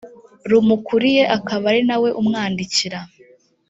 rumukuriye akaba ari nawe umwandikira